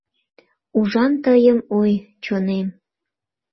Ужам тыйым, ой, чонем!